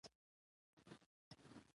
پښتو او هېواد سره د مینې او علاقې